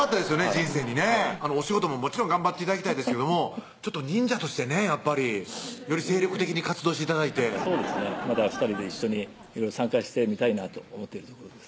人生にお仕事ももちろん頑張って頂きたいですけども忍者としてねやっぱりより精力的に活動して頂いてそうですねまた２人で一緒にいろいろ参加してみたいなと思っているところです